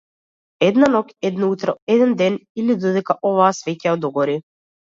Една ноќ, едно утро, еден ден или додека оваа свеќа догори?